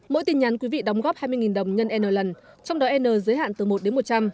mỗi tin nhắn quý vị đóng góp hai mươi đồng nhân n lần trong đó n giới hạn từ một đến một trăm linh